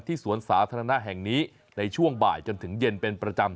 สวนสาธารณะแห่งนี้ในช่วงบ่ายจนถึงเย็นเป็นประจำ